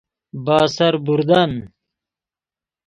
به سر بردن